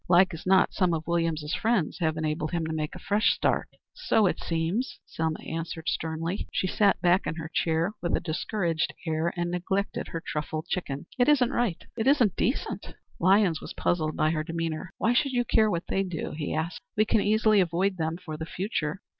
"Like as not some of Williams's friends have enabled him to make a fresh start." "So it seems," Selma answered, sternly. She sat back in her chair with a discouraged air and neglected her truffled chicken. "It isn't right; it isn't decent." Lyons was puzzled by her demeanor. "Why should you care what they do?" he asked. "We can easily avoid them for the future."